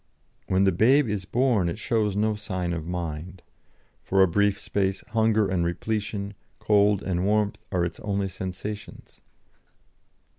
"When the babe is born it shows no sign of mind. For a brief space hunger and repletion, cold and warmth are its only sensations.